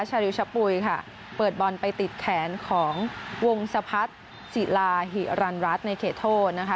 ชาริวชะปุ๋ยค่ะเปิดบอลไปติดแขนของวงสะพัฒน์ศิลาหิรันรัฐในเขตโทษนะคะ